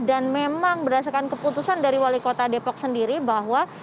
memang berdasarkan keputusan dari wali kota depok sendiri bahwa